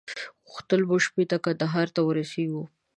غوښتل مو شپې ته کندهار ته ورسېږو.